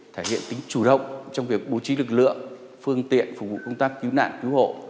thể hiện tính chủ động trong việc bố trí lực lượng phương tiện phục vụ công tác cứu nạn cứu hộ